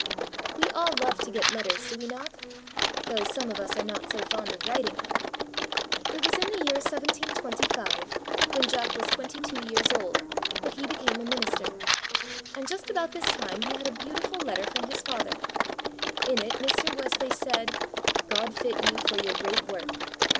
WE all love to get letters, do we not? though some of us are not so fond of writing them. It was in the year 1725, when Jack was twenty two years old, that he became a minister; and just about this time he had a beautiful letter from his father. In it Mr. Wesley said: "God fit you for your great work.